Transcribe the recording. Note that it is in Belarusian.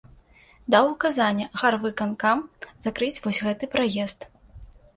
Даў указанне гарвыканкам закрыць вось гэты праезд.